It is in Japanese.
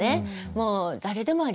もう誰でもあります。